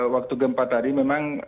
waktu gempa tadi memang